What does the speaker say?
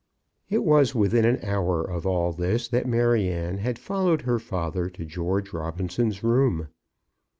It was within an hour of all this that Maryanne had followed her father to George Robinson's room.